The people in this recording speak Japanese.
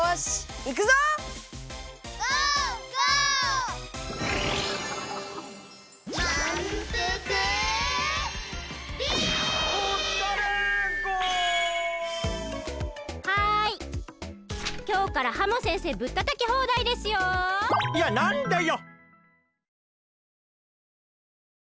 いやなんでよ！